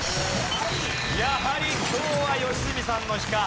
やはり今日は良純さんの日か。